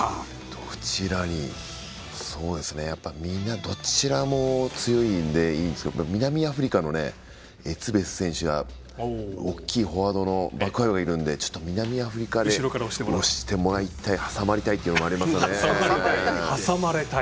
みんなどちらも強いのでいいんですけど南アフリカのエツベス選手など大きいフォワードがいるのでちょっと南アフリカに入って押してもらいたい挟まりたいという思いもあります。